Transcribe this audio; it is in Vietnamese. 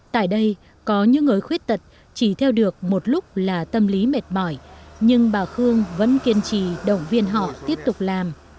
tại đây có những người khuyết tật chỉ theo được một lúc là tâm lý mệt mỏi nhưng bà khương vẫn kiên trì động viên họ tiếp tục làm